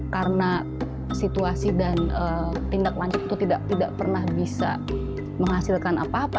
karena situasi dan tindak lanjut itu tidak pernah bisa menghasilkan apa